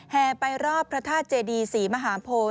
แห่ไปรอบพระธาตุเจดีศรีมหาโพ